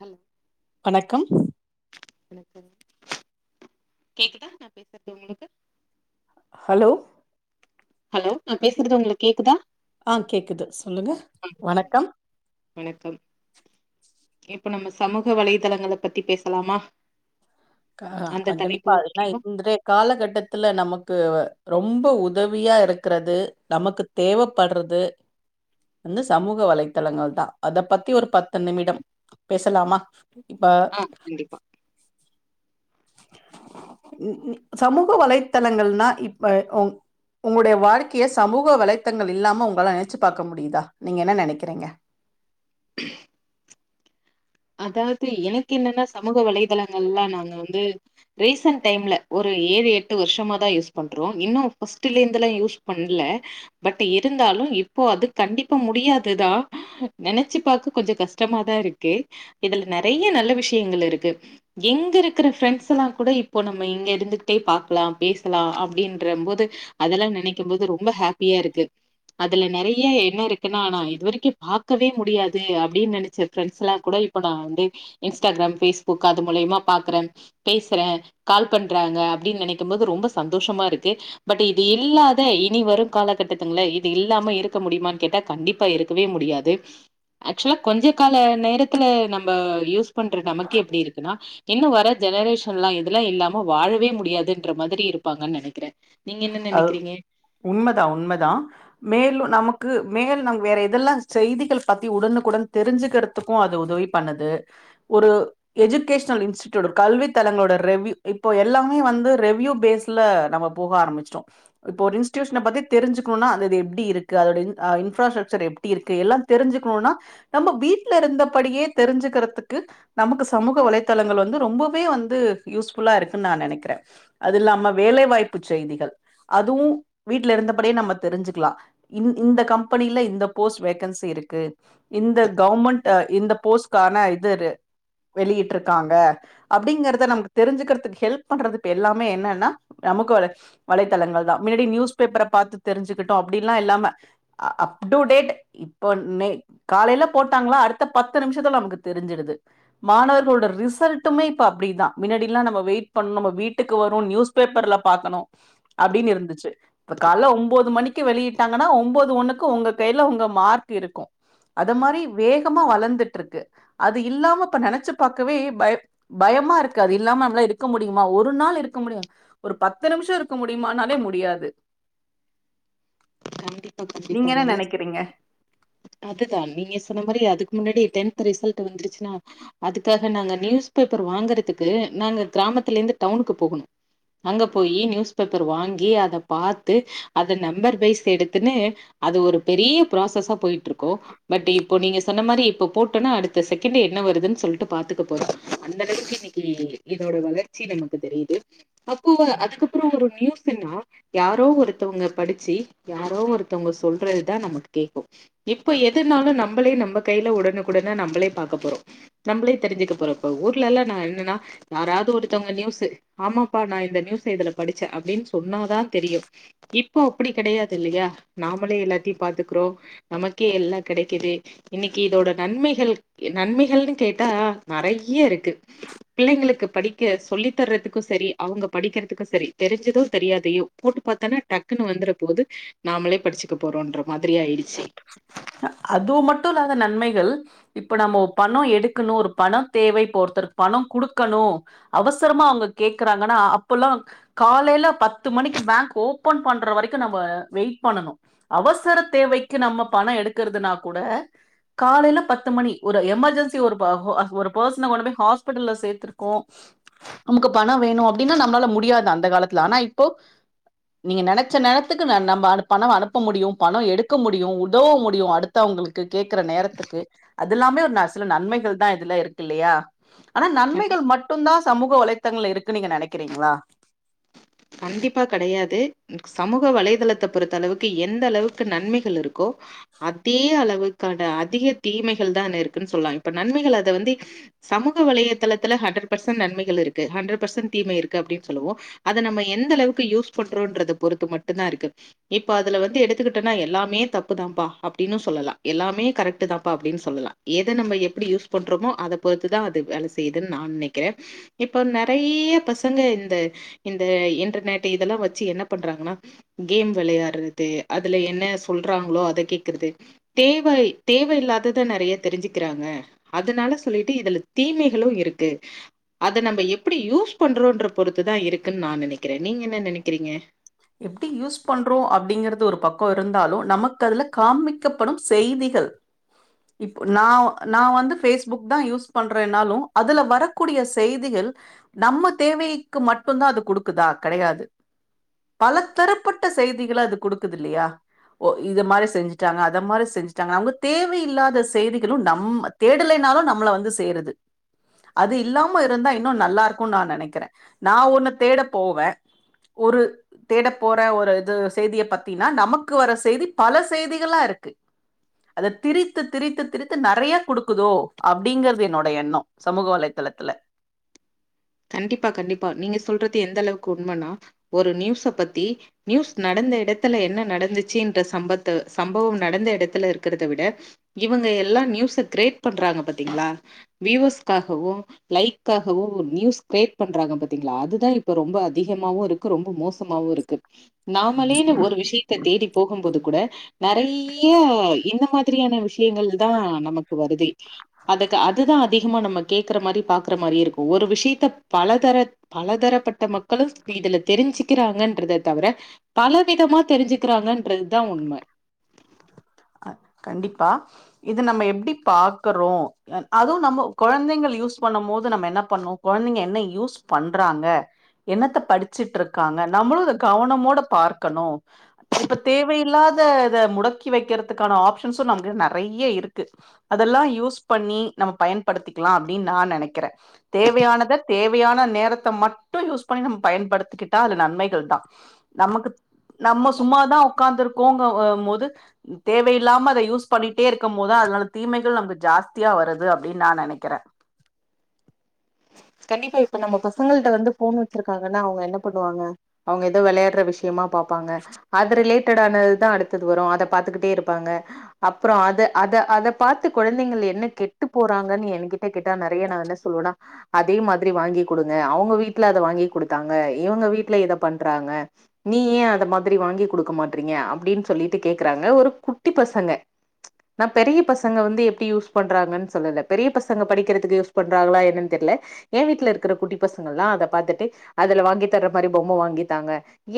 Hello வணக்கம் வணக்கம் கேக்குதா நான் பேசுறது உங்களுக்கு ஹலோ ஹலோ நா பேசுறது உங்களுக்கு கேக்குதா ஆஹ் கேக்குது சொல்லுங்க ஓகேங்க வணக்கம் வணக்கம் இப்ப நம்ம சமூக வலைதளங்கள பத்தி பேசலாமா ஆஹ அந்த தலைப்பு கண்டிப்பா அதல்லா ஓகேவா இன்றைய காலகட்டத்துல நமக்கு ரொம்ப உதவியா இருக்கிறது நமக்கு தேவைப்படுறது அந்து சமூக வலைத்தளங்கள் தான் அத பத்தி ஒரு பத்து நிமிடம் பேசலாமா இப்ப ஆஹ் கண்டிப்பா சமூக வலைத்தளங்கள்னா இப்ப உங்களுடைய வாழ்க்கைய சமூக வலைத்தங்கள் இல்லாம உங்களால நினைச்சு பார்க்க முடியுதா நீங்க என்ன நினைக்கிறீங்க அதாவது எனக்கு என்னன்னா சமூக வலைதளங்கள் எல்லாம் நாங்க வந்து ரீசன்ட் டைம்ல ஒரு ஏழு எட்டு வருஷமா தான் யூஸ் பண்றோம் இன்னும் பஸ்ட்டுலே இருந்துல்லாம் யூஸ் பண்ணல பட் இருந்தாலும் இப்போ அது கண்டிப்பா முடியாதுதான் நினைச்சு பாக்க கொஞ்சம் கஷ்டமாதான் இருக்கு இதுல நிறைய நல்ல விஷயங்கள் இருக்கு எங்க இருக்கிற ஃப்ரெண்ட்ஸ் எல்லாம் கூட இப்போ நம்ம இங்க இருந்துட்டே பாக்கலாம் பேசலாம் அப்படின்ற போது அததெல்லாம் நினைக்கும் போது ரொம்ப ஹாப்பியா இருக்கு அதுல நிறைய என்ன இருக்குன்னா ஆனா இது வரைக்கும் பாக்கவே முடியாது அப்படின்னு நினைச்ச பிரெண்ட்ஸ் எல்லாம் இப்ப நா வந்து இன்ஸ்டாகிராம் பேஸ்புக் அது மூலியமா பாக்குறேன் பேசுறேன் கால் பண்றாங்க அப்படின்னு நினைக்கும் போது ரொம்ப சந்தோஷமா இருக்கு பட் இது இல்லாத இனி வரும் காலகட்டத்து இது இல்லாம இருக்க முடியுமனு கேட்டா கண்டிப்பா இருக்கவே முடியாது ஆக்சுவலா கொஞ்ச கால நேரத் துல நம்ம யூஸ் பண்ற நமக்கே இப்படி இருக்குன்னா இன்னும் வர ஜெனரேஷன்லாம் இததெல்லாம் இல்லாம வாழவே முடியாதுன்ற மாதிரி இருப்பாங்கன்னு நினைக்கிறேன் அஹ உண்மைதான் உண்மைதான் மேலும் நமக்கு மேல் வேற இததெல்லாம் செய்திகள் பத்தி உடனுக்குடன் தெரிஞ்சுக்கிறதுக்கு அது உதவி பண்ணுது ஒரு எஜுகேஷ்னல் இன்ஸ்டிட்யூட் கல்வி தளங்களோட ரிவியூ இப்ப எல்லாமே வந்து ரிவியூ பேஸ்ல போக ஆரம்பிச்சிடோம் இப்ப ஒரு இன்ஸ்டியூஷன பத்தி தெரிஞ்சுக்கனுனா அது எப்பிடி இருக்கு அதோட இன்ராசெக்ஷன் எப்பிடி இருக்கு தெரிஞ்சுக்கனுனா நம்ம வீட்டுல இருந்தபடியே தெரிஞ்சுக்கிறதுக்கு நமக்கு சமூக வலைதளங்கள் வந்து ரொம்ப வந்து யூஸ்புள்ளா இருக்கு நினைக்கிறேன் அது இல்லாம வேலை வாய்ப்பு செய்திகள் அதுவும் வீட்ல இருந்தபடியே நம்ம தெரிஞ்சுக்கலாம் இந்த கம்பெனில இந்த கோர்ஸ் வேக்கன்சி இருக்கு இந்த கவர்மெண்ட் இந்த போஸ்கான இது வெளியிட்டு இருக்காங்க அப்படிங்கிறத நமக்கு தெரிஞ்சுக்கக்கு கெல்ப் பண்றது எல்லாமே என்னன்னா சமூக வலைத்தளங்கள் தான் முன்னாடி நியூஸ் பேப்பர் பாத்து தெரிஞ்சுகிட்டோம் அப்படியெல்லாம் இல்லாம அப் டு டேட் இப்ப என்ன இன்னக்கி காலையில போட்டாங்களா அடுத்த பத்து நிமிஷத்துல நமக்கு தெரிஞ்சிருது மாணவர்களோட ரிசல்ட்டுமே இப்ப அப்டிதான் முன்னாடியெல்லாம் வெயிட் பண்ணனும் நம்ம வீட்டுக்கு வரும் நியூஸ் பேப்பர்ல பாக்கணும் அப்பிடின்னு இருந்துச்சு இப்ப கால்ல ஒன்பது மணிக்கு வெளியிட்டாங்கன்னா ஒன்பது ஒண்ணுக்கு உங்க கையில உங்க மார்க் இருக்கும் அத மாரி வேகமா வளர்ந்துட்டு இருக்கு அது இல்லாம இப்ப நினைச்சு பாக்கவே பய பயமா இருக்கு அது இல்லாம நம்மள இருக்க முடியுமா ஒரு நாள் இருக்க முடியும் ஒரு பத்து நிமிஷம் முடியுமானாலே முடியாது கண்டிப்பா நீங்க கண்டிப்பா என்ன நல்லது நெனைக்கிறீங்க அதுதான் நீங்க சொன்ன மாரி அதுக்கு முன்னடி டென்த் ரிசல்ட் வந்துருச்சுனா அதுக்காக நாங்க நியூஸ் பேப்பர் வாங்கறதுக்கு நாங்க கிராமத்துல இருந்து டவுனுக்கு போகணும் அங்க போய் நியூஸ் பேப்பர் வாங்கி அதை பாத்து அத நம்பர் வைஸ் எடுத்துன்னு அது ஒரு பெரிய ப்ராசஸா போயிட்டு இருக் கோ பட் இப்போ நீங்க சொ சொன்ன மாரி இப்ப போட்டோம்னா அடுத்த செகண்ட் என்ன வருதுன்னு சொல்லிட்டு பாத்துக்க போறோம் அந்தளவுக்கு இன்னைக்கு இதோட வளர்ச்சி நமக்கு தெரியுது அப்போ அதுக்கப்புறம் ஒரு நியூஸ்னா யாரோ ஒருத்தவங்க படிச்சி யாரோ ஒருத்தவங்க சொல்றது தான் நமக்கு கேட்கும் இப்போ எதுனாலும் நம்மளே நம்ம கையில உடனுக்குடனே நம்மளே பாக்க போறோம் நம்மளே தெரிஞ்சுக்க போறோம் இப்ப ஊர்ல எல்லாம் நான் என்னன்னா யாராவது ஒருத்தவங்க நியூஸ் ஆமாப்பா நான் இந்த நியூஸ் இதுல படிச்சேன் அப்படின்னு சொன்னாதான் தெரியும் இப்போ அப்படி கிடையாது இல்லையா நாமளே எல்லாத்தையும் பாத்துக்கறோம் நமக்கே எல்லாம் கிடைக்குது இன்னைக்கு இதோட நன்மைகள் நன்மைகள்னு கேட்டா நெறைய இருக்கு பிள்ளைங்களுக்கு படிக்க சொல்லி தர்றதுக்கும் சரி அவங்க படிக்கிறதுக்கும் சரி தெரிஞ்சதும் தெரியாதையோ போட்டு பாத்தன்னா டக்குன்னு வந்துற போது நாமளே படிச்சுக்க போறோம்ன்ற மாதிரி ஆயிடுச்சு அது மட்டும் இல்லாத நன்மைகள் இப்ப நம்ம பணம் எடுக்கணும் ஒரு பணம் தேவை இப்போ ஒருத்தருக்கு பணம் குடுக்கணும் அவசரமா அவங்க கேக்குறாங்கன்னா அப்பல்லாம் காலையில பத்து மணிக்கு பேங்க் ஓபன் பண்ற வரைக்கும் நம்ம வெயிட் பண்ணணும் அவசர தேவை நம்ம பணம் எடுக்கிறதுனா கூட காலில பத்து மணி ஒரு எமர்ஜென்சி ஒரு ஒரு ப ஃபஸ்சன கொண்டு போய் ஹாஸ்பிடல் சேர்த்திருக்கோம் நமக்கு பணம் வேணும் அப்படின்னா நம்மளால முடியாது அந்த காலத்துல ஆனா இப்போ நீங்க நினைச்ச நேரத்துக்கும பணம் அனுப்ப முடியும் பணம் எடுத்து இருக்க முடியும் உதவ முடியும் அடுத்தவங்களுக்கு கேக்குற நேரத்துக்கு அதுல்லாமே ஒரு ந சில நன்மைகள் தான் இதுல இருக்கு இல்லையா ஆனா கண்டிப்பா நன்மைகள் மட்டும்தான் சமூக வலைத் புத்தகங்கள்ல இருக்குனு நீங்க நினைக்கிறீங்களா கண்டிப்பா கிடையாது சமூக வலைதளத்தை பொறுத்த அளவுக்கு எந்த அளவுக்கு நன்மைகள் இருக்கோ அதே அளவுக்கான அதிக தீமைகள் தான் இருக்குன்னு சொல்லலாம் இப்ப நன்மைகள் அத வந்து சமூக வலைையதளத்துல ஹண்ட்ரட் பர்சன்ட் நன்மைகள் இருக்கு ஹண்ட்ரட் பர்சன்ட் தீமை இருக்கு அப்படின்னு சொல்லுவோம் அதை நம்ம எந்த அளவுக்கு யூஸ் பண்றோம்ன்றத பொறுத்து மட்டும் தான் இருக்கு இப்ப அதுல வந்து எடுத்துக்கிட்டோனா எல்லாமே தப்புதான்ப்பா அப்படின்னு சொல்லலாம் எல்லாமே கரெக்ட்டு தான்ப்பா அப்படின்னு சொல்லலாம் எதை நம்ம எப்படி யூஸ் பண்றோமோ அதை பொறுத்துதான் அது வேலை செய்யுதுன்னு நான் நினைக்கிறேன் இப்ப நிறைய பசங்க இந்த இந்த இன்டர்நெட் இதெல்லாம் வச்சு என்ன பண்றாங்கன்னா கேம் விளையாடுறது அதுல என்ன சொல்றாங்களோ அதை கேக்றது தேவை தேவையில்லாத நிறைய தெரிஞ்சுக்கிறாங்க அதனால சொல்லிட்டு இதுல தீமைகளும் இருக்கு அதை நம்ம எப்படி யூஸ் பண்றோம்ன்ற பொறுத்து தான் இருக் நான் நினைக்கிறேன் நீங்க என்ன நினைக்கிறீங்க எப்படி யூஸ் பண்றோம் அப்படிங்கிறது ஒரு பக்கம் இருந்தாலும் நமக்கு அதுல காமிக்கப்படும் செய்திகள் இப்போ நான் நான் வந்து பேஸ்புக் தான் யூஸ் பண்றேன்னாலும் அதுல வரக்கூடிய செய்திகள் நம்ம தேவைக்கு மட்டும் தான் அது குடுக்குதா கிடையாது பல தரப்பட்ட செய்திகளை அது கொடுக்குது இல்லையா ஓ இது மாரி செஞ்சுட்டாங்க அதை மாரி செஞ்சட்டாங்க நங்க தேவையில்லாத செய்திகளும் நம்ம தேடலைனாலும் நம்மள வந்து சேருது அது இல்லாம இருந்தா இன்னும் நல்லா இருக்கும்னு நான் நினைக்கிறேன் நான் ஒன்னு தேட போவேன் ஒரு தேட போற ஒரு இது செய்தியை பத்தின்னா நமக்கு வர செய்தி பல செய்திகளா இருக்கு அத திரித்து திரித்து திரித்து நிறைய குடுக்குதோ அப்படிங்கறிறது என்னோட எண்ணம் சமூக வலைத்தளத்துல கண்டிப்பா கண்டிப்பா நீங்க சொல்றது எந்த அளவுக்கு உண்மைன்னா ஒரு நியூஸ பத்தி நியூஸ் நடந்த இடத்துல என்ன நடந்துச்சுன்ற சம்பத்த சம்பவம் நடந்த இடத்துல இருக்கத விட இவங்க எல்லாம் நியூஸ கிரேட் பண்றாங்க பாத்தீங்களா வியுஸ்காகவும் லைக்காகவும் நியூஸ் கிரியேட் பண்றாங்க பாத்தீங்களா அதுதான் இப்ப ரொம்ப அதிகமாவும் இருக்கு ரொம்ப மோசமாவும் இருக்கு நாமளேன்னு ஒரு விஷயத்த தேடி போகும்போது கூட நிறைய இந்த மாதிரியான விஷயங்கள் தான் நமக்கு வருது அதுக்கு அதுதான் அதிகமா நம்ம கேக்குற மாரி பாக்குற மாரி இருக்கும் ஒரு விஷயத்த பல தர பலதரப்பட்ட மக்களும் இதுல தெரிஞ்சுக்கிறாங்கன்றத தவிர பல விதமா தெரிஞ்சுக்கிறாங்கன்றது தான் உண்மை கண்டிப்பா இத நம்ம எப்படி பாக்கறோம் அதுவும் நம்ம குழந்தைங்கள் யூஸ் பண்ணும் போது நம்ம என்ன பண்ணோம் குழந்தைங்க என்ன யூஸ் பண்றாங்க என்னத்த படிச்சுட்டு இருக்காங்க நம்மளும் இத கவனமோட பார்க்கணும் இப்ப தேவையில்லாத இத முடக்கி வைக்கிறதுக்கான ஆப் சோ நெறைய இருக்கு அதெல்லாம் யூஸ் பண்ணி நம்ம பயன்படுத்திக்கலாம் அப்படின்னு நான் நினைக்கிறேன் தேவையானத தேவையான நேரத்தை மட்டும் யூஸ் பண்ணி நம்ம பயன்படுத்திக்கிட்டா அது நன்மைகள் தான் நமக்கு நம்ம கண்டிப்பா. சும்மாதான் உட்காந்துருக் தூங்க வம் போது தேவையில் இல்லாம அதை யூஸ் பண்ணிட்டே இருக்கும் போது தான் தீமைகள் நமக்கு ஜாஸ்தியா வருது அப்பிடின்னு நான் நினைக்கிறேன் கண்டிப்பா இப்ப நம்ம பசங்களிட்ட வந்து போன் வச்சிருக்காங்கன்னா அவங்க என்ன பண்ணுவாங்க அவங்க ஏதோ விளையாடுற விஷயமா பாப்பாங்க அது ரிலேட்டட ஆனதுதான் அடுத்தது வரும் அத பாத்துக்கிட்டே இருப்பாங்க அப்புறம் அத அத அதை பாத்து குழந்தைகள் என்ன கெட்டு போறாங்கன்னு என என்கிட்ட கேட்டா நிறைய நான் என்ன சொல்லுவேன்னா அதே மாதிரி வாங்கி குடுங்க அவங்க வீட்டுல அதை வாங்கி குடுத்தாங்க இவங்க வீட்டுல இத பண்றாங்க நீ ஏன் அதை மாதிரி வாங்கி குடுக்க மாட்டறீங்க அப்படின்னு சொல்லிட்டு கேக்குறாங்க ஒரு குட்டி பசங்க நான் பெரிய பசங்க வந்து எப்படி யூஸ் பண்றாங்கன்னு சொல்லல பெரிய பசங்க படிக்கிறதுக்கு யூஸ் பண்றாங்களா என்னன்னு தெரியல ஏன் வீட்டுல இருக்கிற குட்டி பசங்கள் எல்லாம் அதை பாத்துட்டு அதுல வாங்கி தர்ற மாரி பொம்மை வாங்கித்தாங்க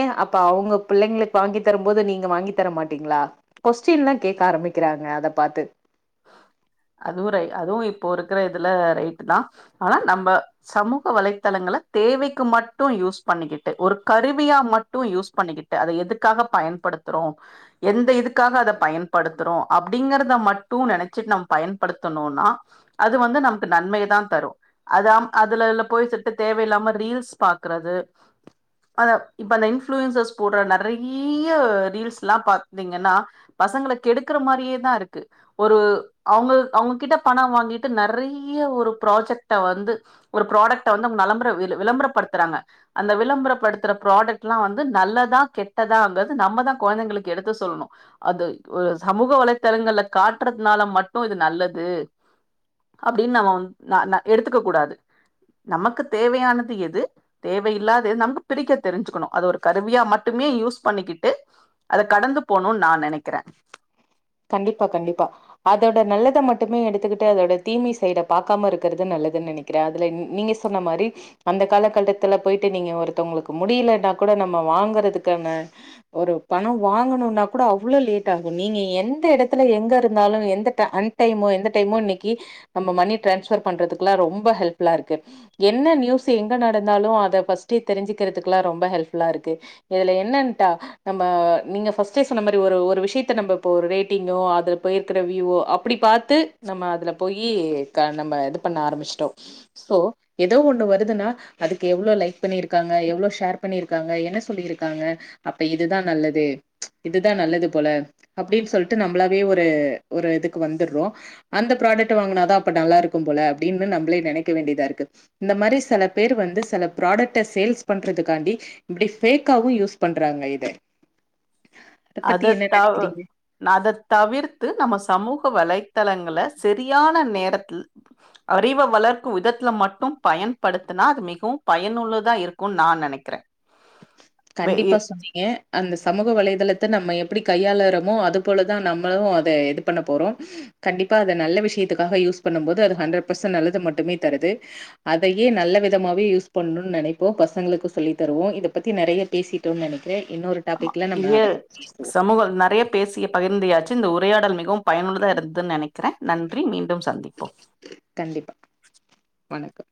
ஏன் அப்ப அவங்க பிள்ளைங்களுக்கு வாங்கி தரும் போது நீங்க வாங்கி தர மாட்டீங்கிளா கொஸ்டின் எலாம் கேக்க ஆரம்பிக்கிறாங்க அத பார்த்து அதுவும் அதுவும் இப்போ இருக்கற இதுல ரைட் தான் ஆனா நம்ம சமூக வலைத்தளங்களை தேவைக்கு மட்டும் யூஸ் பண்ணிக்கிட்டு ஒரு கருவியா மட்டும் யூஸ் பண்ணிக்கிட்டு அதை எதுக்காக பயன்படுத்துறோம் எந்த இதுக்காக அதை பயன்படுத்துறோம் அப்படிங்கறத மட்டும் நினைச்சிட்டு நம்ம பயன்படுத்தணும்னா அது வந்து நமக்கு நன்மையதான் தரும் அத அதுல போயிட்டு தேவையில்லாம ரீல்ஸ் பாக்குறது அந்த இப்ப அந்த இன்ஃப்ளூயன்சஸ் போடுற நிறைய ரீல்ஸ் எல்லாம் பாத்தீங்கன்னா பசங்களை கெடுக்கற மாரியேதான் இருக்கு ஒரு அவங்க அவங்ககிட்ட பணம் வாங்கிட்டு நிறைய ஒரு ப்ராஜெக்டை வந்து ஒரு ப்ராடக்ட்ட வந்துங்க விளம்பர விளம்பரப்படுத்துறாங்க அந்த விளம்பரப்படுத்துற ப்ராடக்ட் எல்லாம் வந்து நல்லதான் கெட்டதாங்கிறது நம்மதான் குழந்தைங்களுக்கு எடுத்து சொல்லணும் அது சமூக வலைத்தளங்கள்ல காட்டுறதுனால மட்டும் சோ இது நல்லது அப்படின்னு நம்ம வந்து ந ந எடுத்துக்க கூடாது நமக்கு தேவையானது எது தேவையில்லாத எது நமக்கு பிரிக்க தெரிஞ்சுக்கணும் அது ஒரு கருவியா மட்டுமே யூஸ் பண்ணிக்கிட்டு அத கடந்து போணும்னு நா நினைக்கிறேன் கண்டிப்பா கண்டிப்பா அதோட நல்லத மட்டுமே எடுத்துக்கிட்டு அதோட தீமை சைட பாார்கக்காம இருக்கறது நல்லதுன்னு நினைக்கிறேன் அதுல நீங்க சொன்ன மாரி அந்த காலகட்டத்துல போயிட்டு நீங்க ஒருத்தவங்களுக்கு முடியலன்னா கூட நம்ம வாங்கறதுக்கான ஒரு பணம் வாங்கணும்னா கூட அவ்வளவு லேட் ஆகும் நீங்க என் ந்த இடத்துல எங்க இருந்தாலும் எந்த டை அன் டைம்மோ எந்த டைமே இன்னைக்கு நம்ம மணி டிரான்ஸ்பர் பண்றதுக்குல ரொம்ப ஹப்ல்லா இருக்கு என்ன நியூஸ் எங்க நடந்தாலும் அத ஃபர்ஸ்டே தெரிஞ்சுக்கிறதுக்கெல்லாம் ரொம்ப ஹெல்ப்பூல்லா இருக்குதுல இதுல என்னடா நீங்க ஃபர்ஸ்டே சொன்ன மாதிரி ஒரு ஒரு விஷயத்த நம்மப்ப ஒரு ரே டிங்கே அதுல போயிக்க வியூ அப்படி பார்த்து நம்ம அதுல போயி க நம்ம இது பண்ண ஆரம்பிச்சுட்டோம் சோ எதோ ஒண்ணு வருதுன்னா அதுக்கு எவ்ளோ லைக் பண்ணிருக்காங்க எவ்ளோ ஷேர் பண்ணி இருக்காங்க என்ன சொல்ல இருக்காங்க அப்ப இதுான் நல்லது இதுதான் நல்லது போல அப்படின்னு சொல் டு நம்மளாவே ஒரு ஒரு இதுக்கு வந்துடுறோம் அந்த ப்ராடக்ட் வாங்கினாதான் அப்ப நல்லா இருக்கும் போல அப்படின்னு நம்மள நினைக்க வேண்டியதா இருக்கு இந்த மாரி சில பேர் வந்து சில புராடக்ட சேல்ஸ் பண்றதுக்காண்டி இப்படி ஃபேக்காவும் யூஸ் பண்றாங்க இத அத பத்தி என்ன நினைக்கிறீங்க அத தவிர்த்து நம்ம சமூக வலைத்தளங்க சரியான நேரத்து அறிவை வளர்க்கும் விதத்துல மட்டும் பயன்படுத்தினா அது மிகவும் பயனுள்ளதா இருக்கும்னு நா நினைக்கிறே கண்டிப்பா சொன்னீங்க அந்த சமூக வலைதள ந்த நம்ம எப்படி கையாளறோமோ அதுபோலதான் நம்மளும் அத இது பண்ண போறோம் கண்டிப்பா அத நல்ல விஷயத்துக்காக யூஸ் பண்ணும் போது அது ஹண்டரட் பர்சன்ட் நல்லது மட்டுமே தருது அதையே நல்ல விதமாவே யூஸ் பண்ணனு நினைப்போம் பசங்களுக்கு சொல்லி தருவோம் இது இத பத்தி நிறைய பேசிட்டோம்னு நினைக்கன் ஆமா இதே சமூகம் நிறைய பேசிய பகிர்ந்தாச்சு இந்த ஊ உரையாடல் மிகவும் பயனுள்ளதா இருந்ததுன்னு நினக்க இருக்கிறேன் நன்றி மீண்டும் சந்திப்போம் கண்டிப்பா. வணக்கம்.